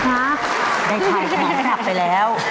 ได้ถ่ายความคาดไปแล้ว